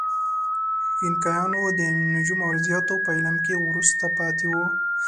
اینکایانو د نجوم او ریاضیاتو په علم کې وروسته پاتې وو.